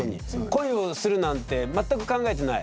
恋をするなんて全く考えてない。